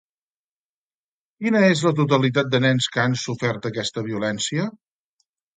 Quina és la totalitat de nens que han sofert aquesta violència?